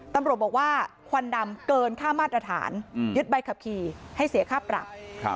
ตำรวจบอกว่าควันดำเกินค่ามาตรฐานยึดใบขับขี่ให้เสียค่าปรับ